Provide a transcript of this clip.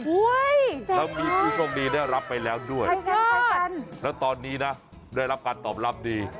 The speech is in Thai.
เจ็บน่ะแล้วดีขึ้นช่วงดีได้ได้ก่อนแล้วรับไปแล้วด้วยและตอนนี้นะได้รับการตอบดี